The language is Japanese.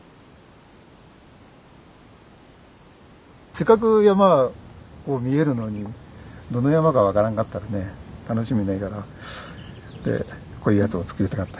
せっかく山こう見えるのにどの山か分からんかったらね楽しみないからでこういうやつを作りたかった。